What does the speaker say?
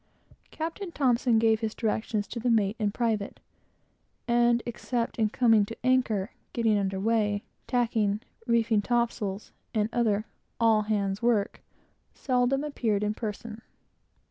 Captain T gave his directions to the mate in private, and, except in coming to anchor, getting under weigh, tacking, reefing topsails, and other "all hands work," seldom appeared in person.